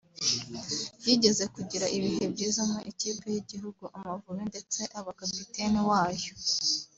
yigeze kugira ibihe byiza mu ikipe y’igihugu Amavubi ndetse aba kapiteni wayo